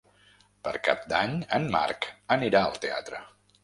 Per Cap d'Any en Marc anirà al teatre.